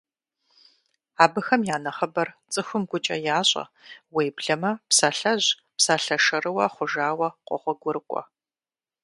Абыхэм я нэхъыбэр цӀыхум гукӀэ ящӀэ, уеблэмэ псалъэжь, псалъэ шэрыуэ хъужауэ къогъуэгурыкӀуэ.